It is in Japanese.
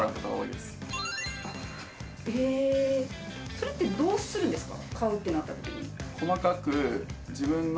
それってどうするんですか？